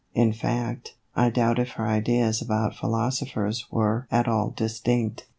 In fact, I doubt if her ideas about philoso phers were at all distinct.